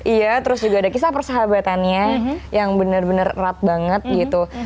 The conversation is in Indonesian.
iya terus juga ada kisah persahabatannya yang benar benar erat banget gitu